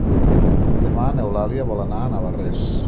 Demà n'Eulàlia vol anar a Navarrés.